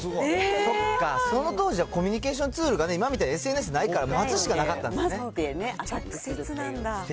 そっか、その当時はコミュニケーションツールが今みたいにＳＮＳないから、直接なんだ。